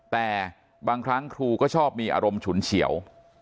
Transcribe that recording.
แต่บางครั้งครูก็ชอบมีอารมณ์ฉุนเฉียว